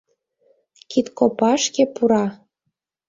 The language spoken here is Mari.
Кидкопашке пура.